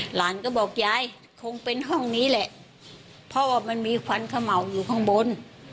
หลานก็บอกยายคงเป็นห้องนี้แหละเพราะว่ามันมีควันเขม่าอยู่ข้างบน